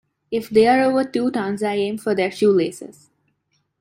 If they are over two tons I aim for their shoelaces.